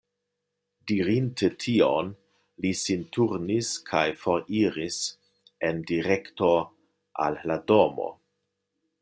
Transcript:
Dirinte tion, li sin turnis kaj foriris en direkto al la domo.